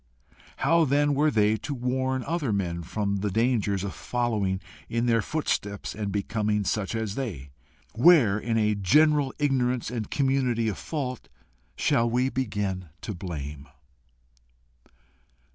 How then were they to warn other men from the dangers of following in their footsteps and becoming such as they? Where, in a general ignorance and community of fault, shall we begin to blame?